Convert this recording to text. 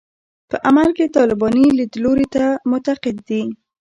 په عمل کې طالباني لیدلوري ته معتقد دي.